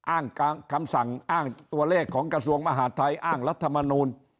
อ้างคำสั่งอ้างตัวเลขของกระทรวงมหาดไทยอ้างรัฐมนูล